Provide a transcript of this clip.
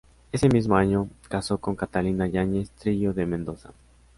Ese mismo año casó con Catalina Yáñez Trillo de Mendoza.